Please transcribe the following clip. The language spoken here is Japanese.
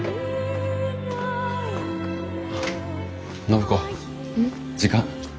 暢子時間。